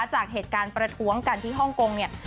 จากเหตุการณ์ประท้วงกันที่ฮ่องกงเนี่ย